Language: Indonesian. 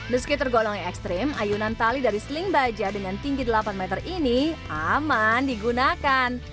meski tergolong ekstrim ayunan tali dari seling baja dengan tinggi delapan meter ini aman digunakan